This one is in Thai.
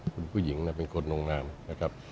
คุณผู้หญิงเป็นคนลงนามนะครับ